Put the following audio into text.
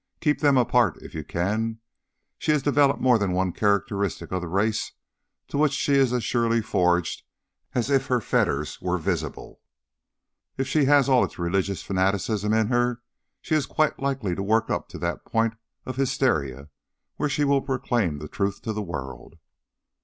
Keep them apart if you can. She has developed more than one characteristic of the race to which she is as surely forged as if her fetters were visible. If she has all its religious fanaticism in her, she is quite likely to work up to that point of hysteria where she will proclaim the truth to the world."